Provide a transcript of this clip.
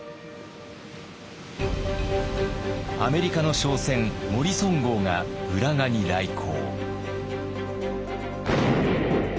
アメリカの商船「モリソン号」が浦賀に来航。